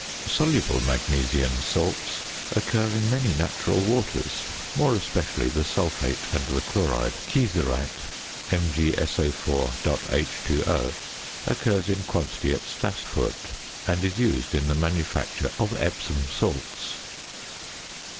Soluble magnesian salts occur in many natural waters; more especially the sulphate and the chloride. Kieserite (MgSO_.H_O) occurs in quantity at Stassfurt, and is used in the manufacture of Epsom salts.